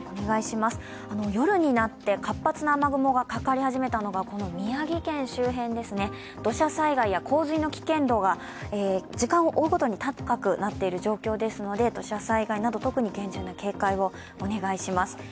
夜になって活発な雨雲がかかり始めたのがこの宮城県周辺ですね、土砂災害や洪水の危険度が時間を追うごとに高くなっている状況ですので、土砂災害など特に厳重な警戒をお願いします。